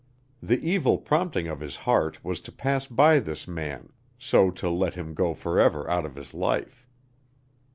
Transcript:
The evil prompting of his heart was to pass by this man so to let him go forever out of his life.